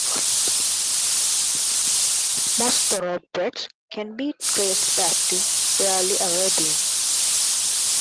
Most Thoroughbreds can be traced back to Darley Arabian.